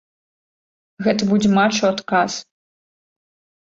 Гэта будзе матч у адказ.